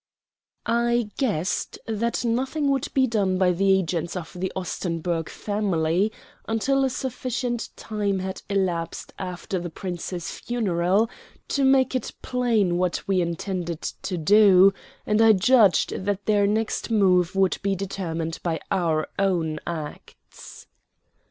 I guessed that nothing would be done by the agents of the Ostenburg family until a sufficient time had elapsed after the Prince's funeral to make it plain what we intended to do; and I judged that their next move would be determined by our own acts.